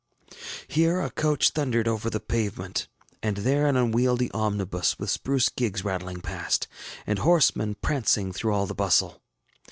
Here a coach thundered over the pavement, and there an unwieldy omnibus, with spruce gigs rattling past, and horsemen prancing through all the bustle.